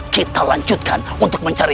kita lanjutkan untuk mencari